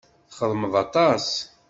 Txeddmeḍ aṭas.